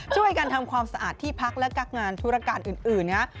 ช่วยกันทำความสะอาดที่พักและกักงานธุรการอื่นนะครับ